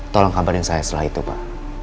tolong kabarin saya setelah itu pak